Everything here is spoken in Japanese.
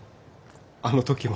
あの時も。